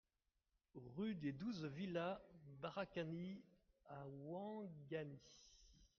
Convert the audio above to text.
RUE DES douze VILLAS BARAKANI à Ouangani